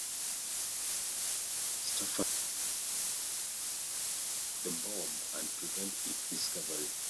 Stauffenberg was able to intercept the bomb and prevent its discovery.